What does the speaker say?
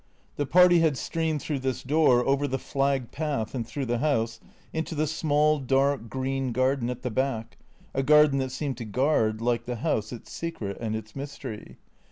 The party had streamed through this door, over the flagged path and through the house, into the small, dark, green garden at the back, a garden that seemed to guard, like the house, its secret and its mystery.